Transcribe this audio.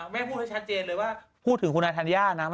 พูดให้ชัดเจนเลยว่าพูดถึงคุณอาธัญญานะ